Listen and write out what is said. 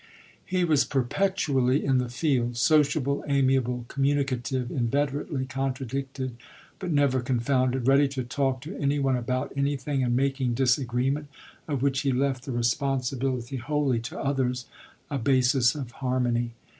He was perpetually in the field, sociable, amiable, communicative, inveterately contradicted but never confounded, ready to talk to any one about anything and making disagreement of which he left the responsibility wholly to others a basis of harmony.